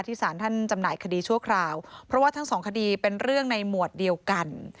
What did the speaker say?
สารท่านจำหน่ายคดีชั่วคราวเพราะว่าทั้งสองคดีเป็นเรื่องในหมวดเดียวกัน